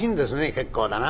「結構だな」。